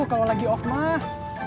kalau lagi off mah